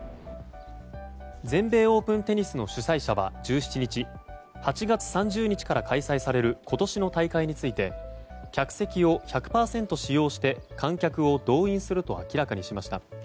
全米オープンテニスの主催者は１７日８月３０日から開催される今年の大会について客席を１００％使用して観客を動員すると明らかにしました。